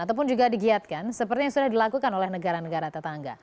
ataupun juga digiatkan seperti yang sudah dilakukan oleh negara negara tetangga